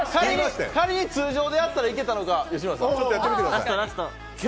仮に通常なら、いけたか吉村さん、やってみてください。